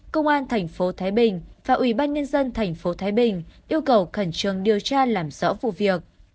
công an thành phố thái bình và ủy ban nhân dân thành phố thái bình yêu cầu khẩn trương điều tra làm rõ vụ việc